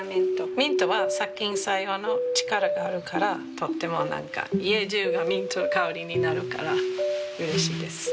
ミントは殺菌作用の力があるからとっても家中がミントの香りになるからうれしいです。